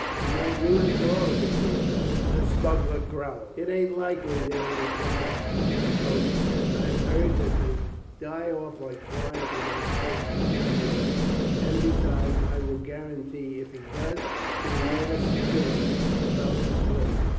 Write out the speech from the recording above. "He might ruin us all if he came back," the smuggler growled. "It ain't likely that he will come back," the poacher said. "I have heard that they die off like flies in those prisons of yours; and, besides, I will guarantee if he does, he will never split about this place.